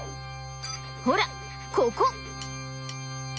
ほらここ！